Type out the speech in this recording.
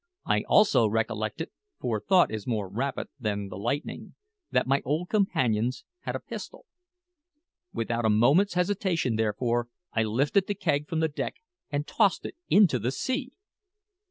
I also recollected for thought is more rapid than the lightning that my old companions had a pistol. Without a moment's hesitation, therefore, I lifted the keg from the deck and tossed it into the sea!